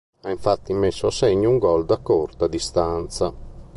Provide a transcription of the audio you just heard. Ha infatti messo a segno un gol da corta distanza.